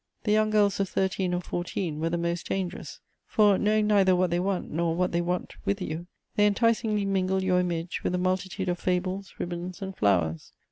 The young girls of thirteen or fourteen were the most dangerous; for, knowing neither what they want nor what they want with you, they enticingly mingle your image with a multitude of fables, ribbons and flowers.